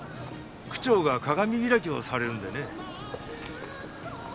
区長が鏡開きをされるのでね。